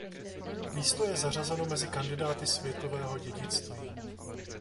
Místo je zařazeno mezi kandidáty Světového dědictví.